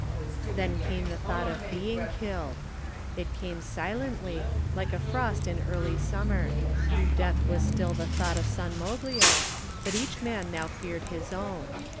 Then came the thought of being killed. It came silently, like a frost in early sum mer. Death was still the thought of San Moglio, but each man now feared his own.